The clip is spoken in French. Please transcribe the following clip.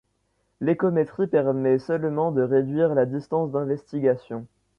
L’échométrie permet seulement de réduire la distance d’investigation.